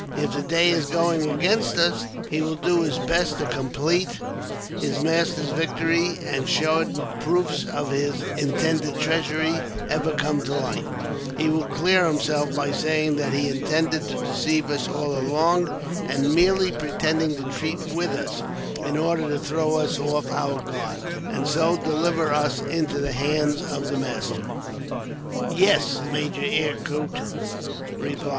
If the day is going against us, he will do his best to complete his master's victory; and should proofs of his intended treachery ever come to light, he will clear himself by saying that he intended to deceive us all along, and merely pretended to treat with us, in order to throw us off our guard, and so deliver us into the hands of his master." "Yes," Major Eyre Coote replied.